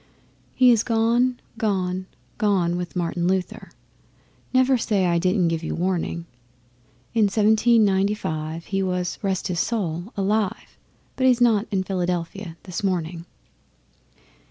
He is gone, gone, gone with Martin Luther (Never say I didn't give you warning). In Seventeen Ninety five he was (rest his soul!) alive, But he's not in Philadelphia this morning.